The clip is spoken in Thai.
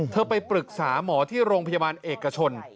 ไปปรึกษาหมอที่โรงพยาบาลเอกชน